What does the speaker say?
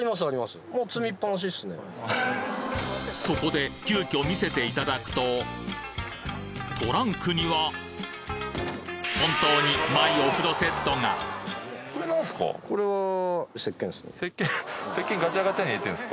そこで急遽見せていただくとトランクには本当にマイお風呂セットがこれは。